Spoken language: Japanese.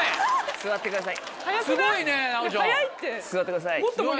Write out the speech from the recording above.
座ってください。